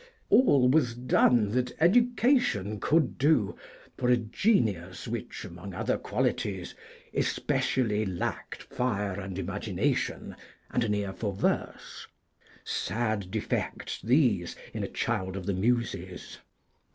_ All was done that education could do for a genius which, among other qualities, 'especially lacked fire and imagination,' and an ear for verse sad defects these in a child of the Muses.